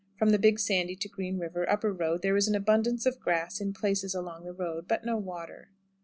From the Big Sandy to Green River (upper road) there is an abundance of grass in places along the road, but no water.